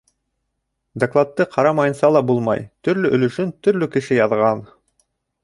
Докладты ҡарамайынса ла булмай: төрлө өлөшөн төрлө кеше яҙған.